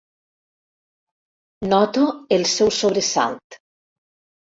Noto el seu sobresalt.